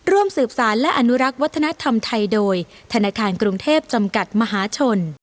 ร่วมสืบสารและอนุรักษ์วัฒนธรรมไทยโดยธนาคารกรุงเทพจำกัดมหาชน